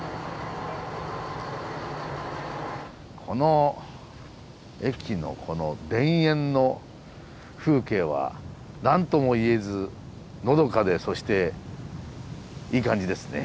この駅の田園の風景は何とも言えずのどかでそしていい感じですね。